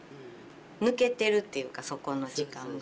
抜けてるっていうかそこの時間が。